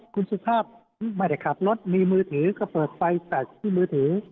คุณสุภาพไม่ได้ขับรถมีมือถือก็เปิดไฟแต่ที่มือถือ